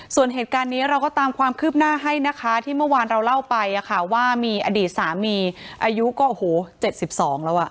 ส่วนเหตุการณ์นี้เราก็ตามความคืบหน้าให้นะคะที่เมื่อวานเราเล่าไปว่ามีอดีตสามีอายุก็โอ้โห๗๒แล้วอ่ะ